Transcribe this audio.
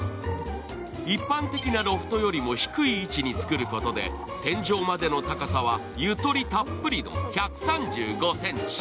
一般的なロフトよりも低い位置に作ることで天井までの高さはゆとりたっぷりの１３５ｃｍ。